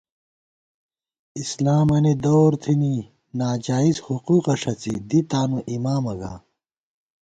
اسلامَنی دورتھنی ناجائزحقوقہ ݭڅی دی تانُواِمامہ گا